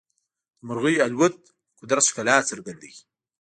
د مرغیو الوت د قدرت ښکلا څرګندوي.